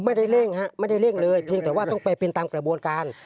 เร่งฮะไม่ได้เร่งเลยเพียงแต่ว่าต้องไปเป็นตามกระบวนการ